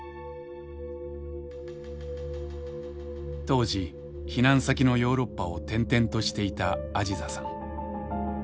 当時避難先のヨーロッパを転々としていたアジザさん。